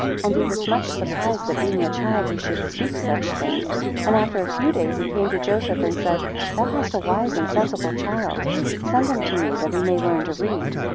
2 And he was much surprised, that being a child he should speak such things; and after a few days he came to Joseph, and said, 3 Thou hast a wise and sensible child, send him to me, that he may learn to read.